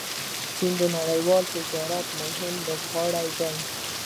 چین د نړیوال تجارت مهم لوبغاړی دی.